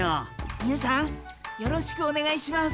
みなさんよろしくおねがいします。